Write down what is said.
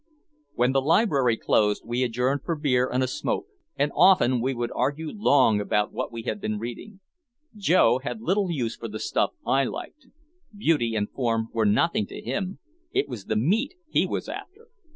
When the library closed we adjourned for beer and a smoke, and often we would argue long about what we had been reading. Joe had little use for the stuff I liked. Beauty and form were nothing to him, it was "the meat" he was after.